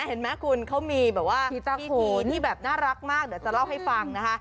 เห็นมั้ยคุณเค้ามีพิธีที่น่ารักมากเดี๋ยวจะเล่าให้ฟังนะคะ